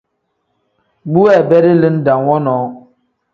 Bu weebedi lim dam wonoo.